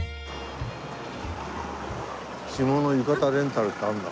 着物浴衣レンタルってあるんだ。